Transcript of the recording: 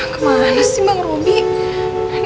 kemana sih bang robby